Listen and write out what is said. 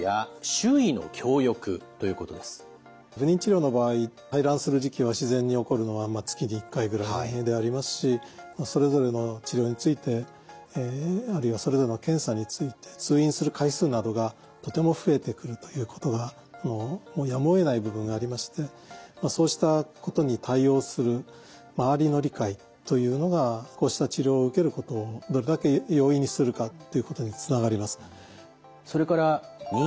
不妊治療の場合排卵する時期は自然に起こるのは月に１回ぐらいでありますしそれぞれの治療についてあるいはそれぞれの検査について通院する回数などがとても増えてくるということがもうやむをえない部分がありましてそうしたことに対応する周りの理解というのがこうした治療を受けることをどれだけ容易にするかということにつながります。